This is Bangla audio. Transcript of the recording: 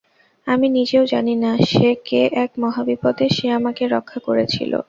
আমি নিজেও জানি না, সে কে এক মহাবিপদে সে আমাকে রক্ষা করেছিল।